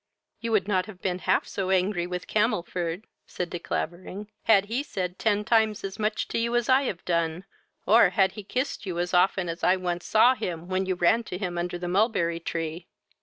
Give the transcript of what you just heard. "You would not have been half so angry with Camelford, (said De Clavering,) had he said ten times as much to you as I have done, or had he he kissed you as often as I once saw him, when you ran to him under the mulberry tree."